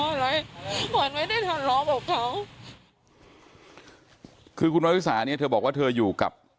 วันไม่ได้ทำรอบกับเขาคือคุณน้อยศาเนี่ยเธอบอกว่าเธออยู่กับ